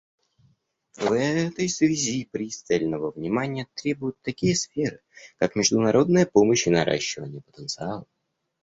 В этой связи пристального внимания требуют такие сферы, как международная помощь и наращивание потенциала.